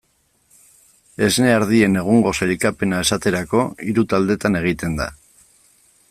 Esne ardien egungo sailkapena, esaterako, hiru taldetan egiten da.